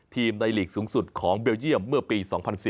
ในหลีกสูงสุดของเบลเยี่ยมเมื่อปี๒๐๐๔